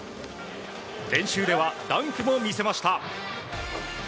練習ではダンクも見せました。